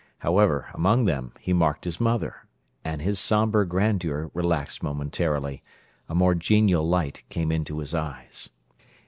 However, among them, he marked his mother; and his sombre grandeur relaxed momentarily; a more genial light came into his eyes.